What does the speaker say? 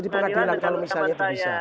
di pengadilan kalau misalnya itu bisa